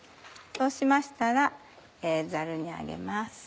そうしましたらザルに上げます。